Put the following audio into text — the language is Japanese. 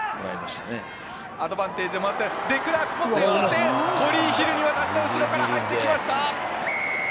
アドバンテージをもらって、デクラーク、そしてコリーヒルに渡して、後ろから入ってきました。